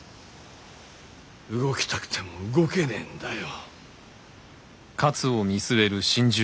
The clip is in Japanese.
動きたくても動けねえんだよ。